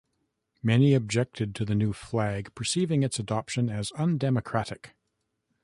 Many objected to the new flag, perceiving its adoption as undemocratic.